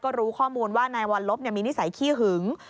ก็รู้ข้อมูลว่านายวัลลบมีนิสัยขี้หึง